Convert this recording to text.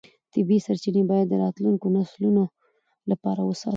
طبیعي سرچینې باید د راتلونکو نسلونو لپاره وساتو